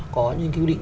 có những quy định